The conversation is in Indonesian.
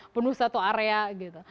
penuh satu area gitu